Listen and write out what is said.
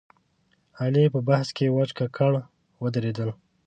علي په بحث کې وچ ککړ ودرېدل.